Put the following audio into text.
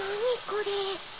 これ。